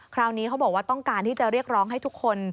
คราวนี้เขาบอกว่าต้องการที่จะเรียกร้องให้ทุกคน